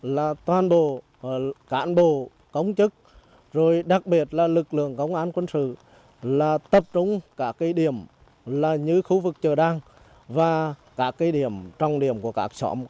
là khắc phục hậu quả thấp nhất do lưu quẹt cây ra